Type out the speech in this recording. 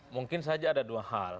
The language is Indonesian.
mungkin saja ada dua hal